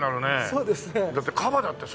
そうですね。